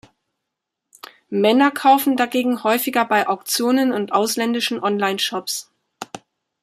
Männer kaufen dagegen häufiger bei Auktionen und ausländischen Online-Shops.